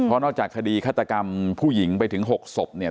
เพราะนอกจากคดีฆาตกรรมผู้หญิงไปถึง๖ศพเนี่ย